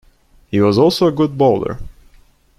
He was also a good bowler.